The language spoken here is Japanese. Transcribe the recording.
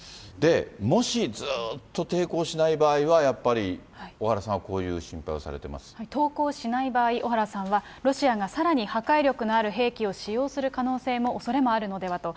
もし、ずっと抵抗しない場合は、やっぱり、小原さんはこうい投降しない場合、小原さんは、ロシアがさらに破壊力のある兵器を使用する可能性も、おそれもあるのではと。